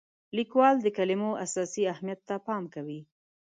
لیکوال د کلمو اساسي اهمیت ته پام کوي.